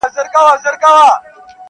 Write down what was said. ګاونډيان راټولېږي او د پېښې خبري کوي ډېر,